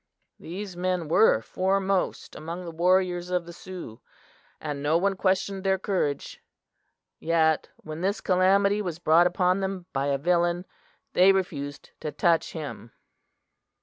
These men were foremost among the warriors of the Sioux, and no one questioned their courage; yet when this calamity was brought upon them by a villain, they refused to touch him!